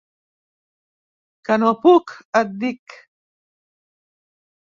Que no puc, et dic.